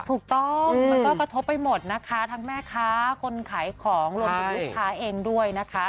ถูกต้องมันก็กระทบไปหมดนะคะทั้งแม่ค้าคนขายของรวมถึงลูกค้าเองด้วยนะคะ